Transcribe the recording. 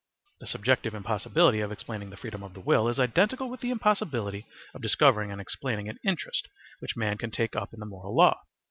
The subjective impossibility of explaining the freedom of the will is identical with the impossibility of discovering and explaining an interest * which man can take in the moral law.